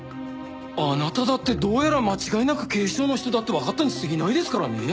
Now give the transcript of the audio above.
あなただってどうやら間違いなく警視庁の人だってわかったに過ぎないですからね。